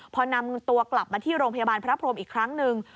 พอนำตัวกลับมาที่โรงพยาบาลพระพรมอีกครั้งหนึ่ง